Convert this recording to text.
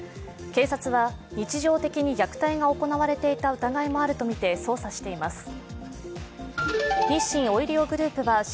警察は、日常的に虐待が行われていた疑いがあるとみて捜査しています。